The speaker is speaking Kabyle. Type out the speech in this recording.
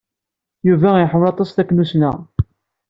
Yuba iḥemmel aṭas taknussna.